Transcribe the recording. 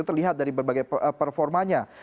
terlihat dari berbagai performanya